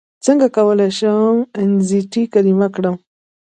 څنګه کولی شم انزیتي کمه کړم